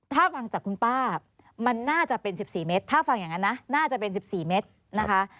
ถ้าฟังจากคุณป้ามันน่าจะเป็น๑๔เมตรถ้าฟังอย่างนั้นนะน่าจะเป็น๑๔เมตรนะคะ